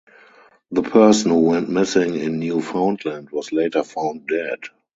The person who went missing in Newfoundland was later found dead.